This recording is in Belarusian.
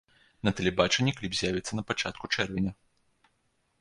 На тэлебачанні кліп з'явіцца на пачатку чэрвеня.